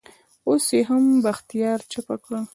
اوس يې هم بختيار چپه کړ.